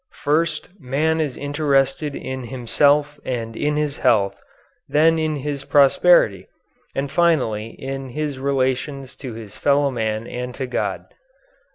First man is interested in himself and in his health, then in his property, and finally in his relations to his fellow man and to God.